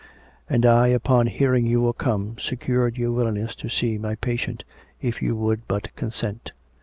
And I, upon hearing you were come, secured your willingness to see my patient, if you would but consent.